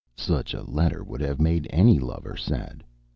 Such a letter would have made any lover sad.